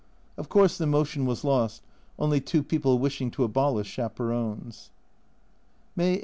Of course the motion was lost, only two people wishing to abolish chaperons. May 18.